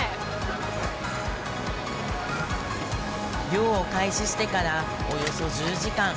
漁を開始してからおよそ１０時間。